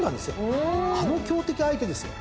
あの強敵相手ですよ。